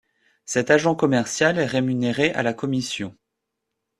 Cet agent commercial est rémunéré à la commission.